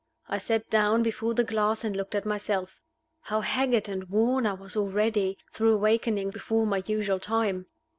I sat down before the glass and looked at myself. How haggard and worn I was already, through awaking before my usual time!